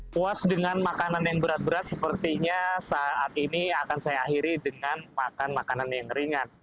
puas dengan makanan yang berat berat sepertinya saat ini akan saya akhiri dengan makan makanan yang ringan